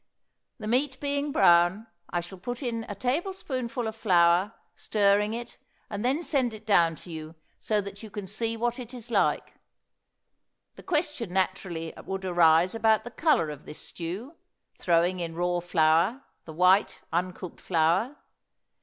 The meat being brown, I shall put in a tablespoonful of flour, stirring it, and then send it down to you so that you can see what it is like. The question naturally would arise about the color of this stew, throwing in raw flour, the white, uncooked flour.